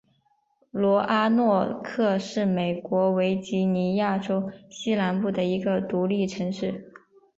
罗阿诺克是美国维吉尼亚州西南部的一个独立城市。